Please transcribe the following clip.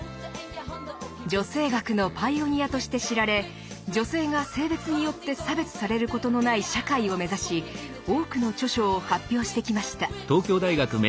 女性学のパイオニアとして知られ女性が性別によって差別されることのない社会を目指し多くの著書を発表してきました。